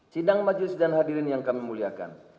sidang majelis dan hadirin yang kami muliakan